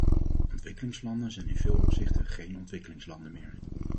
Ontwikkelingslanden zijn in veel opzichten geen ontwikkelingslanden meer.